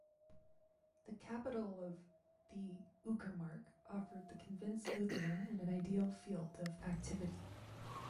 The capital of the uckermark offered the convinced Lutheran an ideal field of activity.